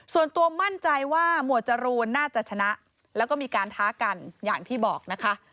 ส่วนตัวมั่นใจว่าหมวดจรูนน่าจะชนะแล้วก็มีการท้ากันอย่างที่บอกนะคะ